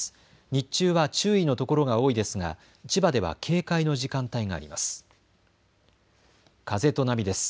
日中は注意の所が多いですが千葉では警戒の時間帯があります。